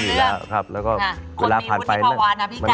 มีเหตุผลนะเราใช้วุฒิภาวะทุยการ